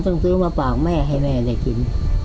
ต้องซื้อมาให้แม่กิน